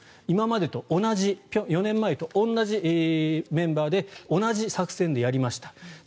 今までと同じ４年前と同じメンバーで同じ作戦でやりました。